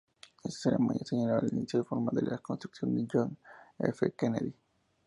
Esta ceremonia, señaló el inicio formal de la construcción del "John F. Kennedy".